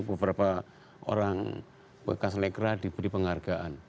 beberapa orang bekas lekra diberi penghargaan